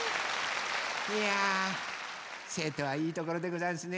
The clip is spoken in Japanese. いや瀬戸はいいところでござんすね。